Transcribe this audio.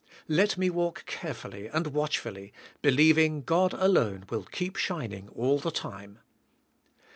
Let me walk carefully and watchfully, believing God alone will keep shining all the time.